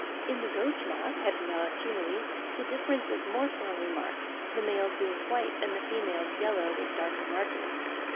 In the Ghost Moth (Hepialus humuli) the difference is more strongly marked; the males being white, and the females yellow with darker markings.